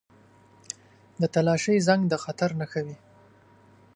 • د تالاشۍ زنګ د خطر نښه وي.